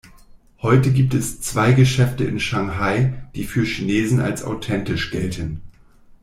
Heute gibt es zwei Geschäfte in Shanghai, die für Chinesen als "authentisch" gelten.